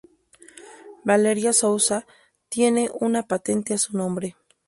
Valeria Souza tiene una patente a su nombre.